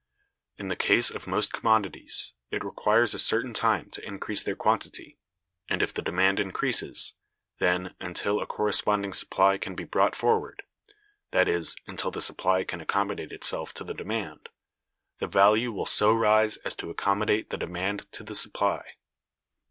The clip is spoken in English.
In the case of most commodities, it requires a certain time to increase their quantity; and if the demand increases, then, until a corresponding supply can be brought forward, that is, until the supply can accommodate itself to the demand, the value will so rise as to accommodate the demand to the supply.